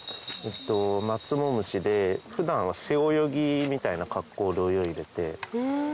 マツモムシで普段は背泳ぎみたいな格好で泳いでて。